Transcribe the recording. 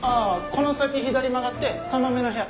この先左曲がって３番目の部屋。